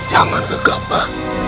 jangan degah mba